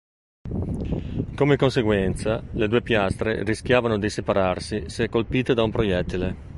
Come conseguenza, le due piastre rischiavano di separarsi se colpite da un proiettile.